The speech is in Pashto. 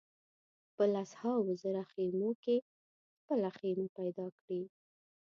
په لسهاوو زره خېمو کې خپله خېمه پیدا کړي.